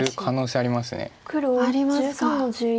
ありますか。